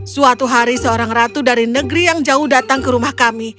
suatu hari seorang ratu dari negeri yang jauh datang ke rumah kami